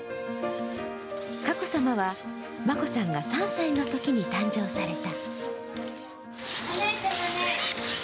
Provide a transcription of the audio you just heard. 佳子さまは眞子さんが３歳のときに誕生された。